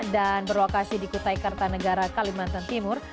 dan berlokasi di kutai kartanegara kalimantan timur